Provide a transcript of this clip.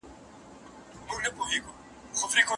ايله شی يې راوستلی و .